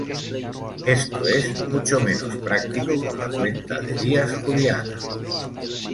Esto es mucho menos práctico con la cuenta de días juliana.